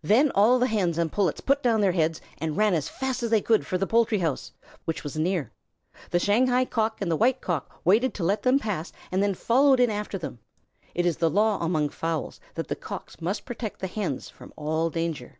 Then all the Hens and Pullets put down their heads and ran as fast as they could for the poultry house, which was near. The Shanghai Cock and the White Cock waited to let them pass, and then followed in after them. It is a law among fowls that the Cocks must protect the Hens from all danger.